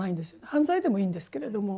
犯罪でもいいんですけれども。